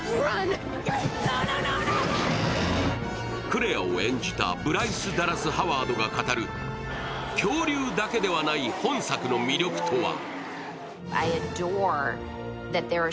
クレアを演じたブライス・ダラス・ハワードが語る恐竜だけではない本作の魅力とは。